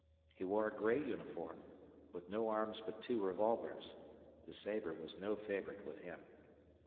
He wore a gray uniform, with no arms but two revolvers, the sabre was no favorite with him.